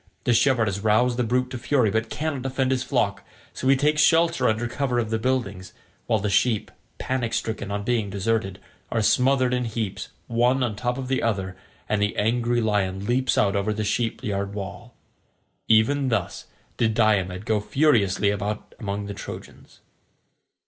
The shepherd has roused the brute to fury but cannot defend his flock, so he takes shelter under cover of the buildings, while the sheep, panic stricken on being deserted, are smothered in heaps one on top of the other, and the angry lion leaps out over the sheep yard wall. Even thus did Diomed go furiously about among the Trojans.